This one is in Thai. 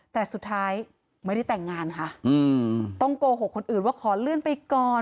แต่สุดท้ายไม่ได้แต่งงานค่ะต้องโกหกคนอื่นว่าขอเลื่อนไปก่อน